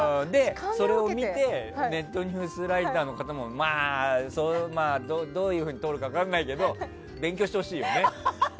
それを見てネットニュースライターの方もまあ、どういうふうにとるか分からないけど勉強してほしいよね。